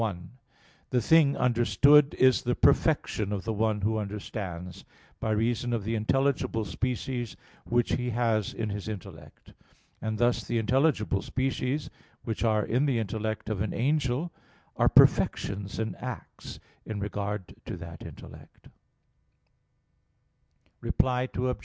1: The thing understood is the perfection of the one who understands, by reason of the intelligible species which he has in his intellect. And thus the intelligible species which are in the intellect of an angel are perfections and acts in regard to that intellect. Reply Obj.